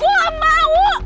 gue gak mau